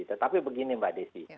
tetapi begini mbak desi